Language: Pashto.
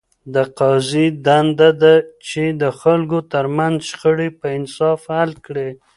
د قاضي دنده ده، چي د خلکو ترمنځ شخړي په انصاف حل کړي.